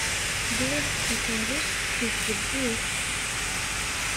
Ẓriɣ-d takeṛṛust seg tzewwut.